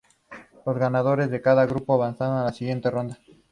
Los ganadores de cada grupo avanzaron a la siguiente ronda.